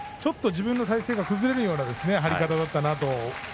自分の体勢が崩れるような張り方でしたね。